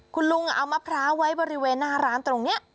คุณลุงเอามะพร้าวไว้บริเวณหน้าร้านตรงนี้